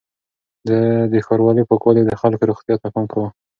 ده د ښارونو پاکوالي او د خلکو روغتيا ته پام کاوه.